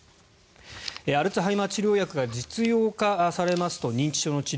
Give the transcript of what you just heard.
アルツハイマー治療薬が実用化されますと認知症の治療